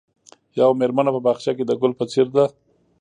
یوه مېرمنه په باغچه کې د ګل په څېر ده.